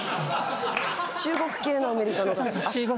中国系のアメリカの方？